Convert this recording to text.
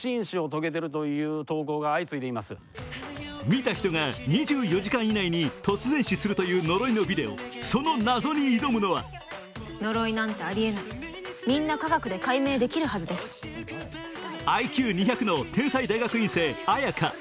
見た人が２４時間以内に突然死するという呪いのビデオ、その謎に挑むのはＩＱ２００の天才大学院生・文華。